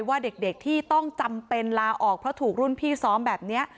ว่าเด็กที่ต้องจำเป็นลาออกเพราะถูกรุ่นพี่ซ้อมแบบนี้